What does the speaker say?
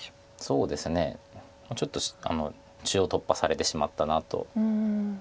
そうですねちょっと中央突破されてしまったなと。